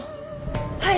はい。